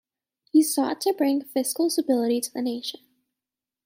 He sought to bring fiscal stability to the nation.